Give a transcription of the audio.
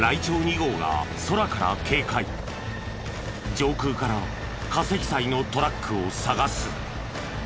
上空から過積載のトラックを捜す。